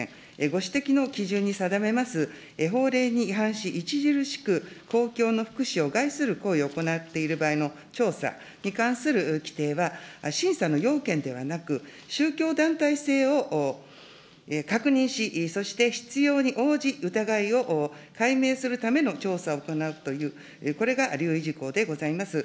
ご指摘の基準に定めます、法令に違反し、著しく公共の福祉を害する行為を行っている場合の調査に関する規定は、審査の要件ではなく、宗教団体性を確認し、そして必要に応じ疑いを解明するための調査を行うという、これが留意事項でございます。